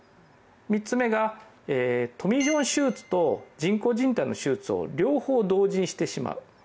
３つ目がトミー・ジョン手術と人工じん帯の手術を両方同時にしてしまう。